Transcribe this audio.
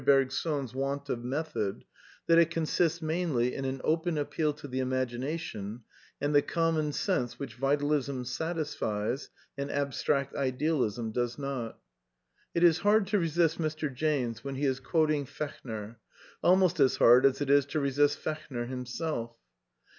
Berg son's want of method that it consists mainly in an open appeal to the imagination and the common sense which Vitalism satisfies and Abstract Idealism does not. It is hard to resist Mr. James when he is quoting Fech ner, almost as hard as it is to resist Fechner himself.